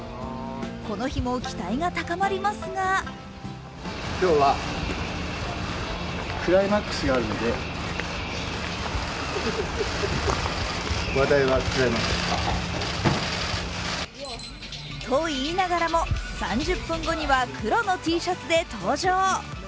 この日も期待が高まりますがと言いながらも３０分後には黒のＴシャツで登場。